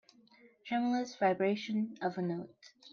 Tremulous vibration of a note.